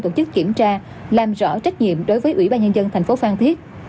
tổ chức kiểm tra làm rõ trách nhiệm đối với ủy ban nhân dân thành phố phan thiết